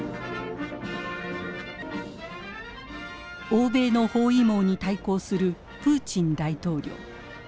欧米の包囲網に対抗するプーチン大統領。